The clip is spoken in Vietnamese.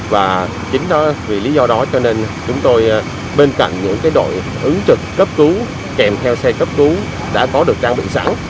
và chính đó vì lý do đó cho nên chúng tôi bên cạnh những đội ứng trực cấp cứu kèm theo xe cấp cứu đã có được trang bị sẵn